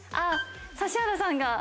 指原さんが。